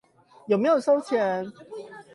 有沒有收錢